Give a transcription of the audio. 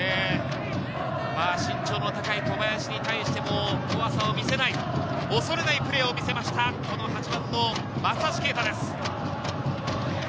身長の高い小林に対しても怖さを見せない、恐れないプレーを見せました、８番の松橋啓太です。